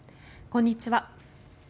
こんにちは。